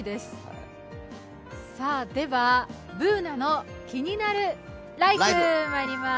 では「ＢｏｏｎａのキニナルＬＩＦＥ」まいります。